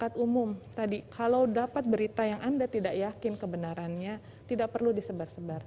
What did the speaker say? kalau anda masyarakat umum kalau dapat berita yang anda tidak yakin kebenarannya tidak perlu disebar sebar